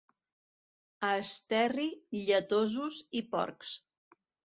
A Esterri, lletosos i porcs.